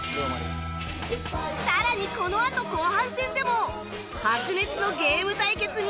さらにこのあと後半戦でも白熱のゲーム対決に